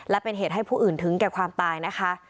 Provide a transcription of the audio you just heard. และเป็นเหตุให้ผู้อื่นถึงแก่ความตายนะคะ